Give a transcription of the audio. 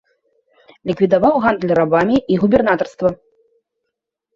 Ліквідаваў гандаль рабамі і губернатарства.